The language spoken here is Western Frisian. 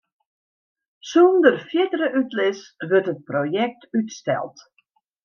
Sûnder fierdere útlis wurdt it projekt útsteld.